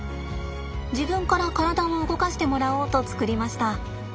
自分から体を動かしてもらおうと作りました。